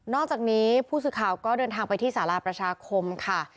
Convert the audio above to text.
จากนี้ผู้สื่อข่าวก็เดินทางไปที่สาราประชาคมค่ะ